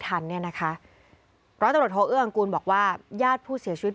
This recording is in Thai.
ด้านร้อนตำรวจโทรเอื้ออังกูลชินโชฎถีละนัน